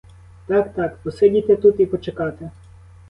Так, так, посидіти тут і почекати.